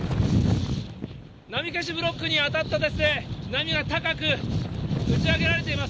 波消しブロックに当たった波は高く打ち上げられています。